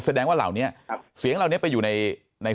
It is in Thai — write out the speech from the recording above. แสดงว่าเหล่านี้เสียงเหล่านี้ไปอยู่ใน